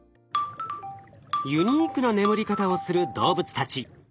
ユニークな眠り方をする動物たち。